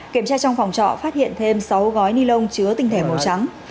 kiểm tra trong phòng trọ phát hiện thêm sáu gói ni lông chứa tinh thể màu trắng